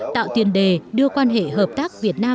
tạo tiền đề đưa quan hệ hợp tác việt nam